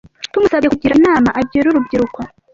Tumusabye kugira inama agira urubyiruko